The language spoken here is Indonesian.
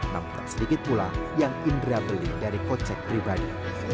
namun tak sedikit pula yang indra beli dari kocek pribadi